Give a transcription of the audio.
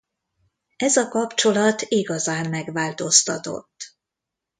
Ez a kapcsolat igazán megváltoztatott.